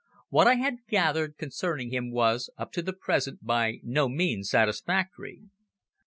What I had gathered concerning him was, up to the present, by no means satisfactory.